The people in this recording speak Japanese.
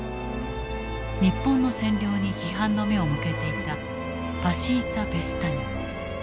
日本の占領に批判の目を向けていたパシータ・ペスタニョ。